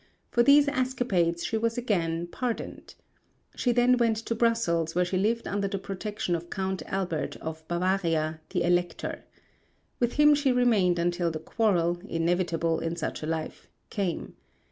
For these escapades she was again pardoned. She then went to Brussels where she lived under the protection of Count Albert of Bavaria, the Elector. With him she remained until the quarrel, inevitable in such a life, came.